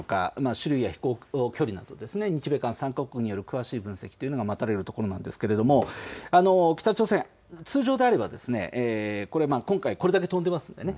種類や飛行距離など日米韓３か国による詳しい分析が待たれるところですが北朝鮮通常であれば今回、これだけ飛んでいます。